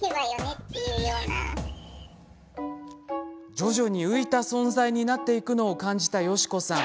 徐々に浮いた存在になっていくのを感じたよしこさん。